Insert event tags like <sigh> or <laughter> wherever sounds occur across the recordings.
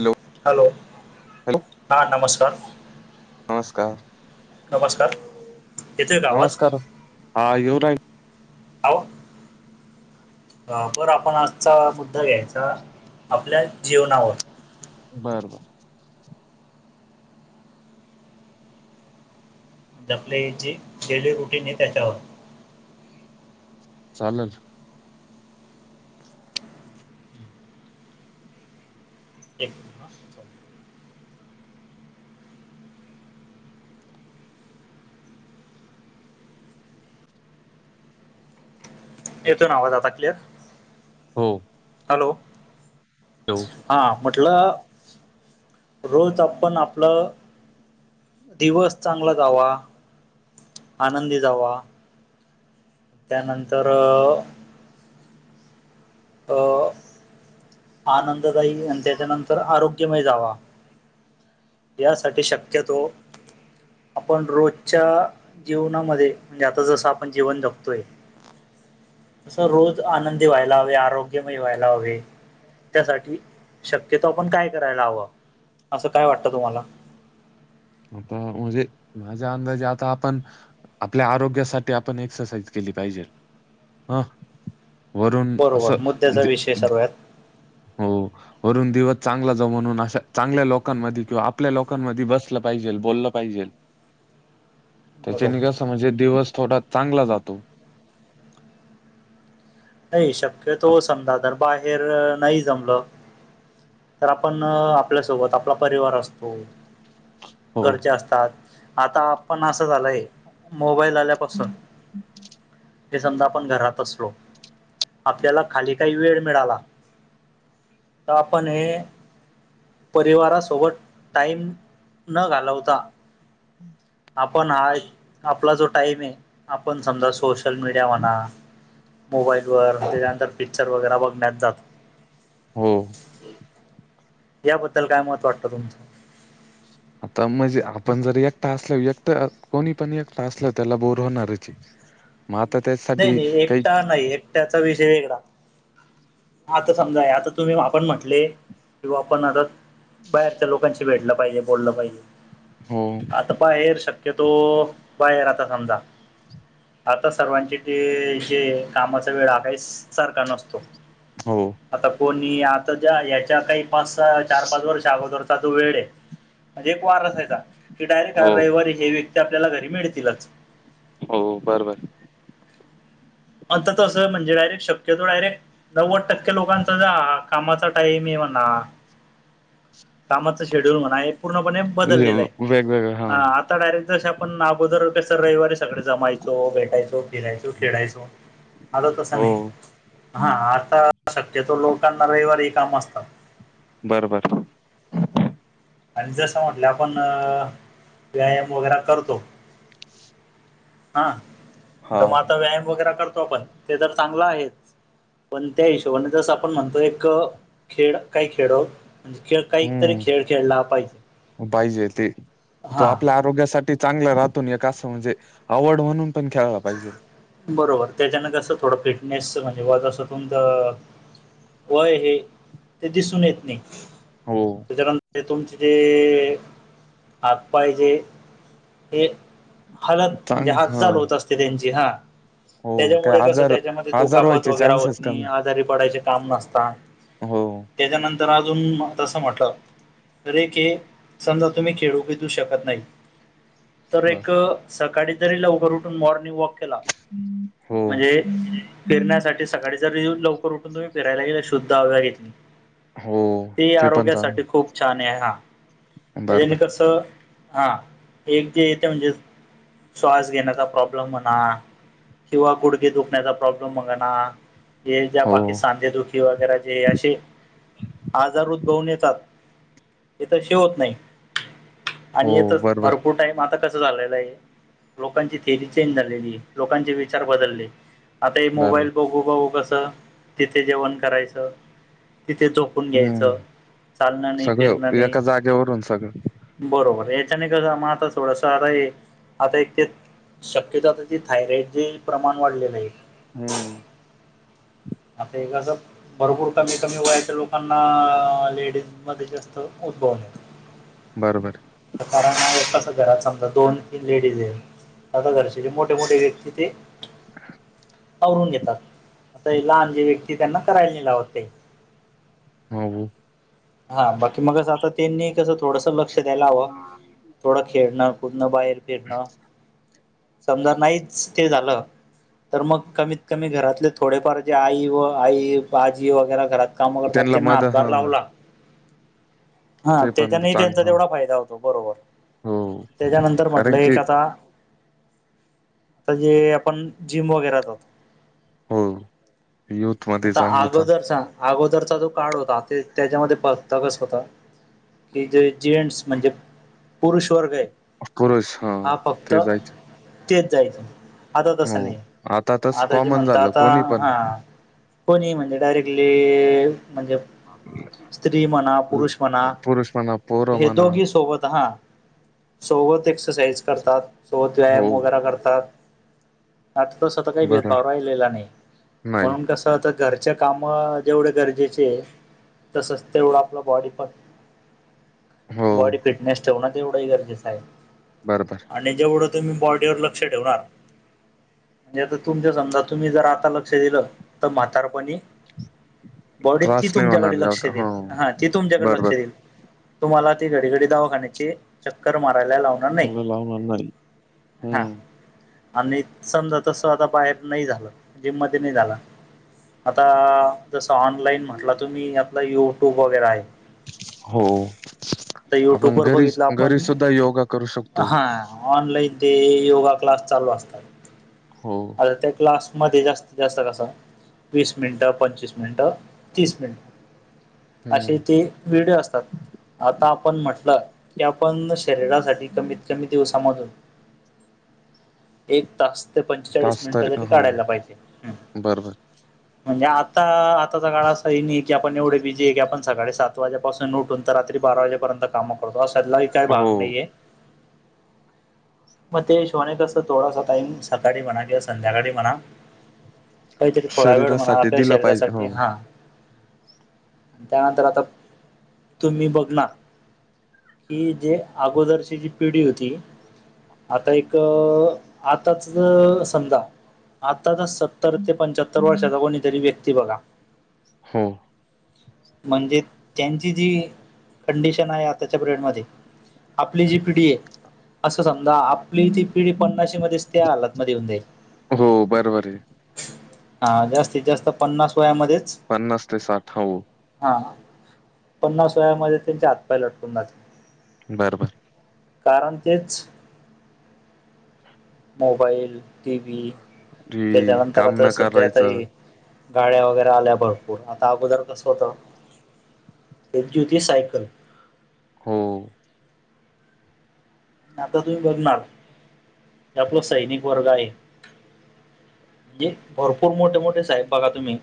Hello. Hello hello हा नमस्कार. नमस्कार. नमस्कार. येतोय का आवाज नमस्कार आवाज येऊ राहिला <unintelligible> बर आपण आजचा मुद्दा घ्यायचा आपल्या जीवनावर. बर बर. म्हणजे आपले जे डेली रुटीन आहे त्याच्यावर. चालेल. ओके. हा, चालेल. येतोना आवाज आता क्लिअर. हो. हॅलो येऊ हा. म्हटलं रोज आपण आपलं दिवस चांगला जावा, आनंदी जावा. त्यानंतर आ <unintelligible> आनंददाई आणि त्याच्यानंतर आरोग्यमय जावा. यासाठी शक्यतो आपण रोजच्या जीवनामध्ये म्हणजे आता जसं आपण जीवन जगतोय. असं रोज आनंदी व्हायला हवे आरोग्यमय व्हायला हवे. त्यासाठी शक्यतो आपण काय करायला हवं असं काय वाटतं तुम्हाला? आता म्हणजे माझ्या अंदाजे आता आपण आपल्या आरोग्यासाठी आपण एक्सरसाइज केली पाहिजे ह वरून बरोबर असं मुद्द्याचा विषय सर्वात हो वरून दिवस चांगला जाऊ म्हणून अश्या चांगल्या लोकांमध्ये किंवा आपल्या लोकांमध्ये बस बसले पाहिजे, बोलले पाहिजे त्याच्याने बरोबर कस म्हणजे दिवस थोडा चांगला जातो. नाही शक्य तो समजा जर बाहेर नाही जमलं तर आपण आपल्यासोबत आपला परिवार असतो. हो घरचे असतात आता पण असं झालंय. मोबाईल आल्यापासून हे समजा आपण घरात असलो. आपल्याला खाली काही वेळ मिळाला तर आपण हे परिवारासोबत टाईम न घालवता आपण हा आपला जो टाईम आहे आपण समजा सो शतो सोशल मीडिया म्ह मोबाईल व त्याच्यानंतर पिक्चर वगैे बघण्यात जात होम याबद्दल काय मत वाटतं तुमचं? आता म्हणजे आपण जर एकटा असल्या एकट कोणी पण एकटा असल त्याला बोर होणारच. मग आता त्यासाठी काही त्याचा विषय वेगळा आता समजा आता तुम्ही आपण म्हटले की आपण आता बाहेरच्या लोकांशी भेटलं पाहिजे बोललं पाहिजे. हम आता बाहेर शक्यतो बाहेर आता समजा आता सर्वांची ते जे कामाचा वेळ ह काही सारखा नसतो. हो आता कोणी आता ज्या ह्याच्या काही पाच चार पाच वर्ष अगोदरचा तो वेळ आहे. म्हणजे एक वार असायचा की डायरेक्ट ह हो रविवारी हे व्यक्ती आपल्याला घरी मिळतीलच. हो बरं बरं आता तसं म्हणे डायरेट शकतो डयेक्ट नव्वद टक्के लोकांचा जा कामाचा टाईम आहे म्हणा कामाच शेड्यूल म्हणा पूर्णपणे बदललेलं आहे. वेगवेगळ हा. आता डायरेक्ट जे आपण अगोदर सर रविवारी सगळे जमायचो, भेटायचो, फिरायचं, हो खेळायचो. आलं तसं नाही हो हा आता शक्यतो लोकांना रविवारी काम असतात. बरं बर आणि जसं म्हटलं आपण अ व्यायाम वगैरे करतो हा हा. तर मग आता व्यायाम वगैरे करतो आपण ते तर चांगलं आहे. पण त्या हिशोबाने जस आपण म्हणतो एक खेळ काय खेळ म्ह खेळ काहीतरी खेळ हम्म खेळला पाहिजे पाहिजे ते तो हा आपल्या आरोग्यासाठी चांगलं राहतून एक असं, म्हणजे आवड म्हणून पण खेळला पाहिजे. बरोबर, त्याच्यान कसं थोडं फिटनेस म्हणजे वजन तुमचं वय हे, ते दिसून येत नाही. हो. ते तुमचे, आत पाहिजे, हे. हळत म्हणजे चांग हळत ह चालू होत असते त्यांची हां. हो काय त्याच्यामुळे कस आजार त्याच्यामध्ये आजार दुखापत व्हायचे वगैर होत चान्सेस नाही कमी आजारी पडायचे काम नस ता, हो त्याच्यानंतर अजून म तस म्हटलं जरी के, समजा तुम्ही खेळू <unintelligible> देऊ शकत नाही. तर बर एक सकाळी तरी लवकर उठून मॉर्निंग वॉक केला, हो. म्हणजे, फिरण्यासाठी सकाळी जरी लवकर उठून तुम्ही फिरायला गेले शुद्ध हाव्या, हो ती ते पण चांग आरोग्यासाठी खूप छान आहे हा, त्याज्यानी बरोबर कस हा, ते एक जे येते म्हणजेच, श्वास घेण्याचा प्रॉब्लेम म्हणा, किंवा गुडगे दुखण्याचा प्रॉब्लेम म्हना. जे ज्या हो बाकी सांदेदुखी वगैरे जे अशे आजार उद्भवून येतात. ते तशे होत नाही, हो आणि यात बरोबर भरपूर टाइम आप आता कसं झालेलं हाय, लोकांची थिअरी चेंज झालेलीय, लोकांचे विचार बदललेयत. आता हे बरोबर मोबाईल बघू बघू कसं, तिथे जेवण करायचं. तिथे झोपून हम्म घ्यायचं, चालणं नाही, सगळं फिरणं नाही. एका जागेवरून सगळं बरोबर याच्याने कस म आता थोडास आराम ये, आता एक ते शक्यतो आता ते थायरॉइडचे प्रमाण वाढलेल आहे. हम्म. आता हे कस भरपूर कमी कमी वयाच्या लोकांना लेडीजमध्ये जास्त उद्भवण. बर बर. <unintelligible> घरात समजा दोन तीन लेडीज ये. आता घरचे जे मोठे मोठे व्यक्ती ते. <inaudible> आवरून घेतात. आता लहान जे व्यक्ती त्यांना करायला नई लावते. हम्म. हा बाकी मग कस आता त्यांनी कसं थोडस लक्ष द्यायला हवं. थोडं खेळण, कुदणं, बाहेर फिरणं. समजा नाहीच ते झालं, तर मग कमीत कमी घरातले थोडेफार ते आई व आई आजी वगैरे घरात काम करतात त्यांना मध हातभार हां, लावला. हा ते पण त्याच्यानेही चांग त्यांचा हां. तेवढा फायदा होतो बरोबर. हो, त्याच्यानंतर म्हटलं कारण की एक आता आता जे आपण जिम वगैर जा हम्म, ती युथ. आता अगोदरचा, अगोदरचा जो काळ होता ते त्याच्यामध्ये बघता कसा होता? कि जे जेंट्स, म्हणजे पुरुष वर्ग आहे. पुरुष हां, हा फक्त, ते जायचे. तेच जायचं. आता हो, तसं नाही, तसं आता जे कॉमन म्हणत झालं आता कोणी पण हां. कोणी म्हणजे डायरेक्टली म्हणजे, स्त्री म्हणा, अ, पुरुष म्हणा. पुरुष म्हणा, पोरं हे म्हणा. दोघे सोबत हां. सोबत एक्सरसाइज करतात, सोबत व्यायाम हो, वगैरे करतात. आता तसा स्वतः काही बरं भेदभव आहे. राहिलेला नाही. नाही. म्हणून कसं आता घरच्या काम जेवढे गरजेचेये तसंच तेवढं आपलं बॉडी पण हो, बॉडी फिटनेस ठेवणं एवढंही गरजेचं आहे. बरोबर. आणि ज्ववढं तुम्ही बॉडीवर लक्ष ठेवणार. म्हणजे आता तुमच्या समजा तुम्ही जर आता लक्ष दिलं तर म्हातारपणी. बॉडीत ती त्रास नाही होणार तुमच्याकडे लक्ष एवढा. देईल हो, हा ती तुमच्याकडे लक्ष बरोबर. देईल. तुम्हाला ती घडी घडी दवाखाण्याची. चक्कर मारायला लावणार नाही मला लावणार नाही. हा. हं, आणि समजा तस आता बाहेर नाही झालं जिम मध्ये नाही झाला. आता जसं ऑनलाईन म्हटलं तुम्ही आपलं युट्यूब वगैरे आहे. हो तर युट्यूब आपण वर घरी बघितलं घरी आपण सुद्धा योगा करू शकतो. हा ऑनलाईन ते योगा क्लास चालू असतात. हो, आता त्या क्लासमध्ये जास्तीत जास्त कस. वीस मिनटं, पंचवीस मिनटं, तीस मिनट. अशी हं. ते व्हिडिओ असतात, आता आपण म्हटलंऽ. क आपण शरीरासाठी कमीत कमी दिवसामधून एक तास. पंचेचाळीस मिनिटं तरी काढायला पाहिजे. बरं बर. <inaudible> म्हणजे आता आताचा काळ असा हे नाही की आपण एवढे बिझी आहे की आपण सकाळी सात वाजेपासून उठून. रात्री बारा वाजेपर्यंत काम करतो अालाही काही भाग हो. नाहीये. मग ते शोने कसं थोडासा टाईम सकाळी म्हणा किंवा संध्याकाळी म्हणा. काहीतरी थोडा वेळ म्हणाला शरीरासाठी आपल्या दिला पाहिजे हो शरीरासाठी हा. त्यानंतर आता तुम्ही बघ ना. हि जे अगोदरची जी पिढी होती. आता एक आताच समजा आताच सत्ता. ते पंच्याहत्तर वर्षाचा कोणीतरी व्यक्ती बघा. हा. म्हणजे त्यांची जी कंडिशन आहे आताच्या पिरियड मध्ये. आपली जी पिढी आहे असं समजा आपली ती पिढी पन्नाशी मध्येच त्या हातमध्ये होऊन जाईे. हो बरं बर आहे. हा जास्तीत जास्त पन्नास वयामध्येच‌. पन्नास ते साठ न‌. हा पन्नास वयामध्ये त्यांचे हातपाय लटकून जाते. बरबर. कारण तेच‌. Mobile T V. काम न करायचं. हे गाड्या वगैरे आल्या भरपूर आता अगोदर कसं होतं. एकी होती सायकल. हो‌. आता तुम्ही बघणार हे आपला सैनिक वर्ग आहे. म्हणजे भरपूर मोठे मोठे साहेब बघा तुम्ही‌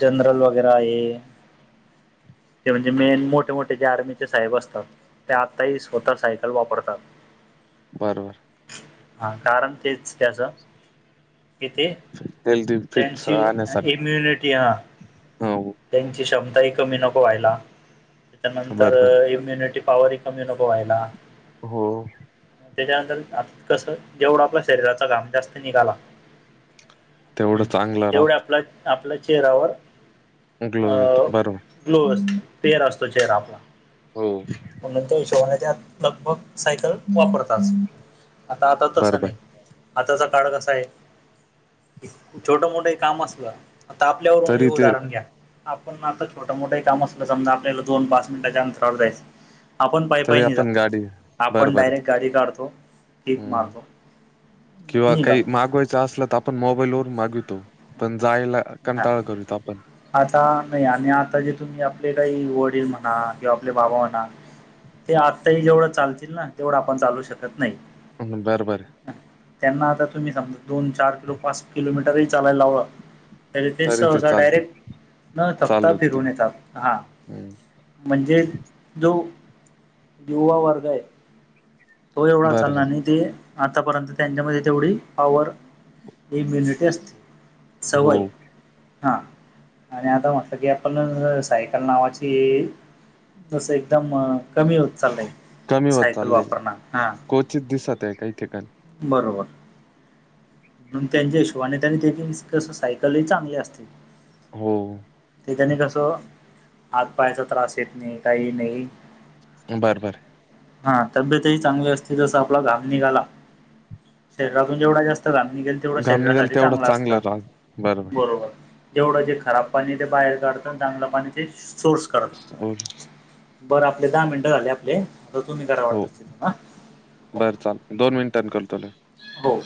जनरल वगैरे आहे. ते म्हणजे मेन मोठे मोठे जे आर्मीचे साहेब असतात. त्या आत्ताही स्वतः सायकल वापरतात. बरोबर‌. हा कारण तेच त्याचं. कि तेे हेल्दी फिट त्यांची राहण्यासाठी इम्युनिटी हा. हो. त्यांची क्षमताही कमी नको व्हायला बरोबर त्याच्यानंतर इम्युनिटी पॉवर ह कमी नभवा्हायला हो त्याच्यानंतर आ कसं जेवढं आपल्या शरीराचा घाम जास्त निघाला तेवढं ह् चांगलं तेवढ्या राहत आपला आपल्या चेहरा्यावर ग्लो येतो बरोबर. अ्लो पर असतो चेहरा आपला हो म्हणून त्या वििशवालाच्यात लगभग सायकल वापरतात आता आता तसं बरोबर नाही आताचा काळ कसा आहे छोट मोठं काम असलं आता आपल्यावरून हे तरी ते उदाहरण घ्या आपण आता छोटं मोठं काम असलं समजा आपल्याला दोन पाच मिनिटाच्या अंतरावर जायचं आपण तरी पायपायनी आपण गाडी जात आपण बरोबर आहे डायरेक्ट गाडी काढतो कीक हम्म मारतो किंवा काही निघालो मागवायचं असलं तर आपण मोबाईल वून मागितो आपण जायला हा कंतााळा करितो आपण आता नाही आणि आता जे तुम्ही आपले काही वडील म्हणा किंवा आपले बाबा म्हणा ते आत्ताही जेवढं चालतील ना तेवढं आपण चालू शकत नाही बरं बर त्यांना आता तुम्ही समजा दोन चार किलो पाच किलोमीटरही चालायला ला हववा त्या ते तरी सहसा चालते डायरेक्ट न थकता चालूतील फिरून येतात हा हम्म म्हणजे जो युवा वर्ग आहे तो एवढा चालला बरोबर. आणि ते आतापर्यंत त्यांच्यामध्ये तेवढी पवर एक हम्म. म्यनिटेस्ट हो सवय हा आणि आता म्हटलं की आपण सायकल नावाची तस एकदम कमी होत चाललंय कमी होत सायकल चाललंय वापरण हा क्वचित दिसत आहे काही ठिकाण बरोबर म्हणून त्यांच्या यश्वाने त्यां आणि त्याची कस सायकलही चांगली असते हो त्याच्याने कसं आात पायाचा त्रास येत नाही काही नाही बरं बरं हा तब्येतही चांगली असते जस आपला घाम निघाला शरीरातून जेवढा जास्त घमी गेल तेवढा घाम निघाल शरीरासाठी तेवढा चांगला असत राग बरोबर तेवढं जे खराब पाणी ते बाहेर काढतं चांगलं पाणी ते सोर्स करतं. होल बरं आपले दहा मिनटं झााले आपले आ तुम्ही करा हो, वाटत तिथ ना हो बरं चाल दोन मिनिटांनी करतो लगेच. हो